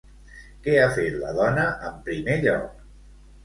Què ha fet la dona, en primer lloc?